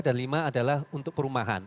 dan lima adalah untuk perumahan